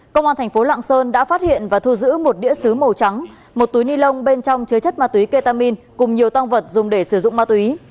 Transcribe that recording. công an thành phố lạng sơn đã phát hiện và thu giữ một đĩa xứ màu trắng một túi ni lông bên trong chứa chất ma túy ketamin cùng nhiều tăng vật dùng để sử dụng ma túy